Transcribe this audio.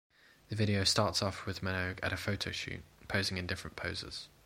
The video starts off with Minogue at a photoshoot, posing in different poses.